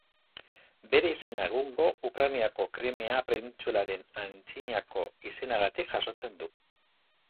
Bere izena egungo Ukrainako Krimea penintsularen antzinako izenagatik jasotzen du.